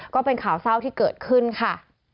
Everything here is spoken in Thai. ก็เป็นข่าวเศร้าที่เกิดขึ้นค่ะ